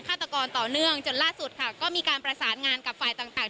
ฆาตกรต่อเนื่องจนล่าสุดค่ะก็มีการประสานงานกับฝ่ายต่างต่าง